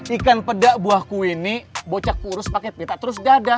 ikan pedak buahku ini bocah kurus pake pita terus dada